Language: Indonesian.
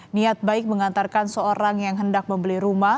niat baik mengantarkan seorang yang hendak membeli rumah